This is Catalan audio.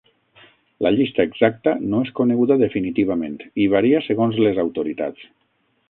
La llista exacta no és coneguda definitivament i varia segons les autoritats.